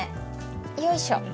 よいしょ。